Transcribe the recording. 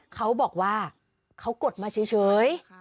เขาบอกว่าเขากดมาเฉย